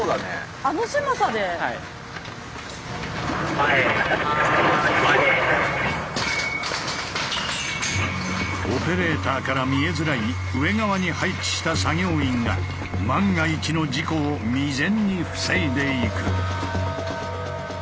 今あそこオペレーターから見えづらい上側に配置した作業員が万が一の事故を未然に防いでいく。